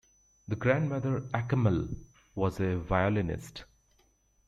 Her grandmother Akkammal was a violinist.